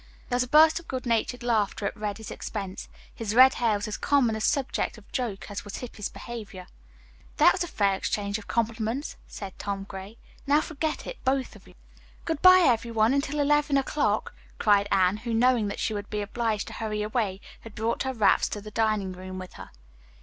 There was a burst of good natured laughter at Reddy's expense. His red hair was as common a subject of joke as was Hippy's behavior. "That was a fair exchange of compliments," said Tom Gray. "Now forget it, both of you." "Good bye, every one, until eleven o'clock," cried Anne, who, knowing that she would be obliged to hurry away, had brought her wraps to the dining room with her.